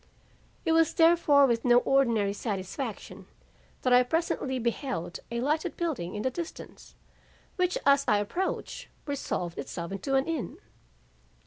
It was therefore with no ordinary satisfaction that I presently beheld a lighted building in the distance, which as I approached resolved itself into an inn.